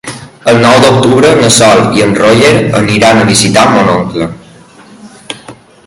El nou d'octubre na Sol i en Roger aniran a visitar mon oncle.